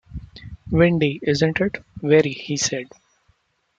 Windy, isn’t it?’ ‘Very,’ he said.